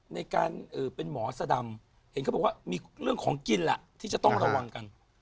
ในการเป็นหมอสดำเห็นเขาบอกว่ามีเรื่องของกินแหละที่จะต้องระวังกัน